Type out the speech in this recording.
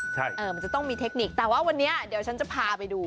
ใช่เออมันจะต้องมีเทคนิคแต่ว่าวันนี้เดี๋ยวฉันจะพาไปดู